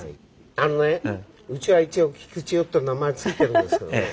あのねうちは一応菊千代っていう名前付いてるんですけどね